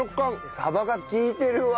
サバが利いてるわ。